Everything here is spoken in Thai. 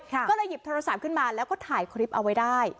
ก็เลยหยิบโทรศัพท์ขึ้นมาแล้วก็ถ่ายคลิปเอาไว้ได้